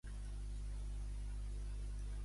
Àngel Mur i Ferrer és un futbolista nascut a Barcelona.